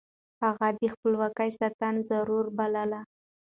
هغه د خپلواکۍ ساتنه ضروري بلله.